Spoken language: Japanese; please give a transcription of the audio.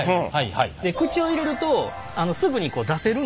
口に入れるとすぐに出せるので。